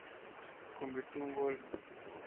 Convirtió un gol.